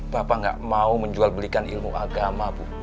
bapak nggak mau menjual belikan ilmu agama bu